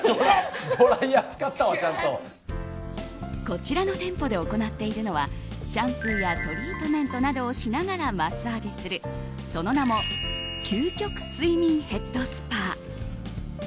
こちらの店舗で行っているのはシャンプーやトリートメントなどをしながらマッサージするその名も究極睡眠ヘッドスパ。